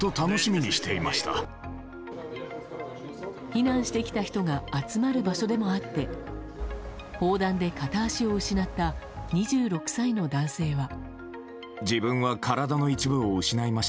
避難してきた人が集まる場所でもあって砲弾で片足を失った２６歳の男性は。